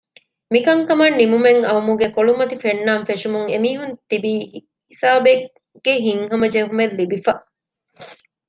މިކަންކަމަށް ނިމުމެއް އައުމުގެ ކޮޅުމަތި ފެންނާން ފެށުމުން އެމީހުން ތިބީ ހިސާބެއްގެ ހިތްހަމަ ޖެހުމެއް ލިބިފަ